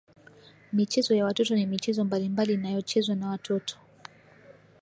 Michezo ya watoto ni michezo mbalimbali inayochezwa na watoto